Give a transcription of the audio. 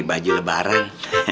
beli baju lebaran